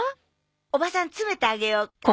おばさん詰めてあげようか？